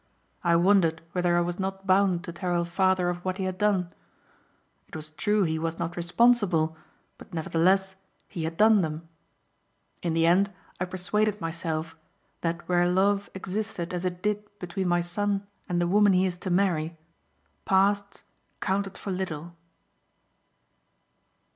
I wondered whether I was not bound to tell her father of what he had done. It was true he was not responsible but nevertheless he had done them. In the end I persuaded myself that where love existed as it did between my son and the woman he is to marry, pasts counted for little."